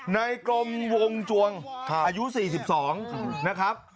ในกรมวงจวงอายุ๔๒นะครับ